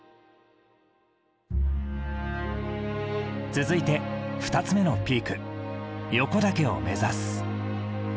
続いて２つ目のピーク横岳を目指す。